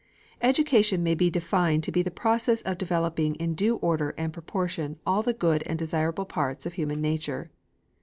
Education may be defined to be the process of developing in due order and proportion all the good and desirable parts of human nature.